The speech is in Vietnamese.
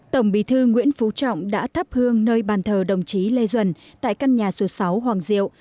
tổng bí thư nguyễn phú trọng đã thắp hương nơi bàn thờ đồng chí lê duẩn tại căn nhà số sáu hoàng diệu